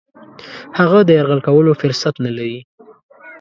هغه د یرغل کولو فرصت نه لري.